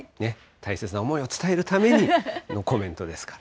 大切な思いを伝えるためにのコメントですから。